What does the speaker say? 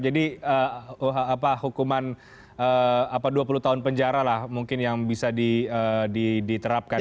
jadi apa hukuman dua puluh tahun penjara lah mungkin yang bisa diterapkan